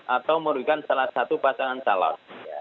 atau merugikan salah satu pasangan calon